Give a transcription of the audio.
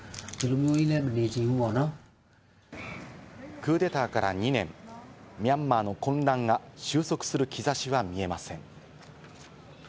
クーデターから２年、ミャンマーの混乱が収束する兆しは見えません。